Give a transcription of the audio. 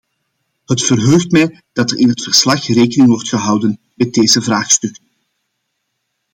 Het verheugt mij dat er in het verslag rekening wordt gehouden met deze vraagstukken.